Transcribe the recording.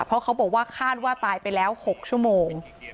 เพราะเขาบอกว่าคาดว่าตายไปแล้ว๖ชั่วโมง